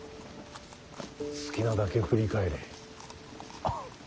好きなだけ振り返れ。